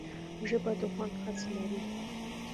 ژبه د خوند حس لري